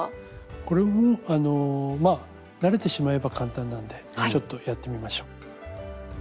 これもあのまあ慣れてしまえば簡単なんでちょっとやってみましょう。